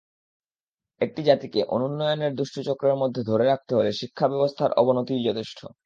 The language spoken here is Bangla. একটি জাতিকে অনুন্নয়নের দুষ্টচক্রের মধ্যে ধরে রাখতে হলে শিক্ষাব্যবস্থার অবনতিই যথেষ্ট।